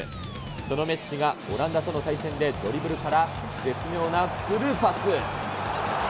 そのメッシがオランダとの対戦で、ドリブルから絶妙なスルーパス。